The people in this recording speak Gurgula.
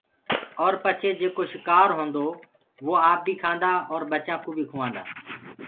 اور پچي جيڪو شڪآر هوندو وو آپ بي کآندآ اور ٻچآنٚ ڪوُ بي کُوآندآ۔